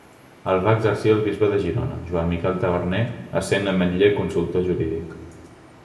El va exercir el bisbe de Girona Joan Miquel Taverner essent Ametller consultor jurídic.